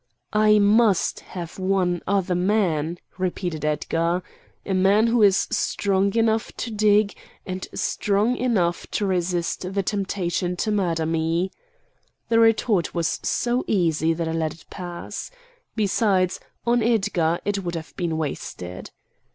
"I must have one other man," repeated Edgar, "a man who is strong enough to dig, and strong enough to resist the temptation to murder me." The retort was so easy that I let it pass. Besides, on Edgar, it would have been wasted.